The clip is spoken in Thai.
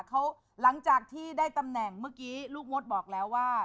เขาหลังจากที่ได้ตำแหน่งเมื่อกี้ลูกมดบอกแล้วว่า